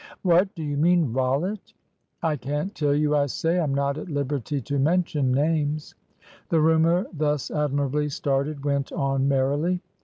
"What do you mean Rollitt?" "I can't tell you, I say. I'm not at liberty to mention names." The rumour thus admirably started went on merrily.